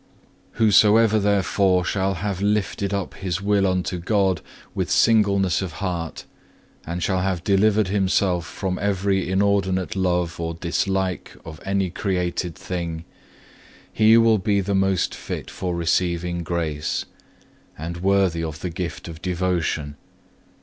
Whosoever therefore shall have lifted up his will unto God with singleness of heart, and shall have delivered himself from every inordinate love or dislike of any created thing, he will be the most fit for receiving grace, and worthy of the gift of devotion.